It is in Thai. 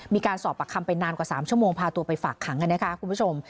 มีการสอบปากคำไปนานกว่า๓ชั่วโมงพาตัวไปฝากขังนะคะคุณผู้ชม